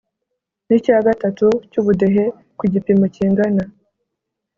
N icya gatatu by ubudehe ku gipimo kingana